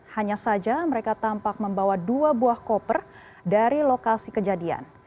hanya saja mereka tampak membawa dua buah koper dari lokasi kejadian